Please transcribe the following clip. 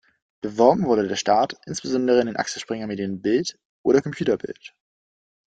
Beworben wurde der Start insbesondere in den Axel-Springer-Medien Bild oder Computer Bild.